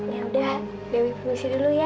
ya udah dewi fungsi dulu ya